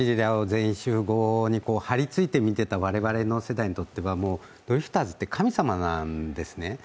全員集合」に張りついて見ていた我々の世代にとってはもう、ドリフターズって神様なんですね。